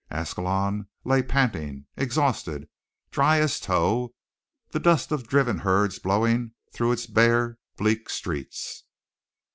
Ascalon lay panting, exhausted, dry as tow, the dust of driven herds blowing through its bare, bleak streets.